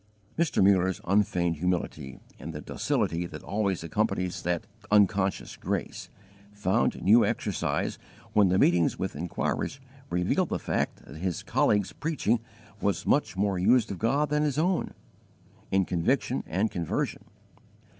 Mr. Mullers unfeigned humility, and the docility that always accompanies that unconscious grace, found new exercise when the meetings with inquirers revealed the fact that his colleague's preaching was much more used of God than his own, in conviction and conversion.